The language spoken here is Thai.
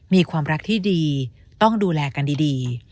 มีความรักที่ดีต้องดูแลกันดี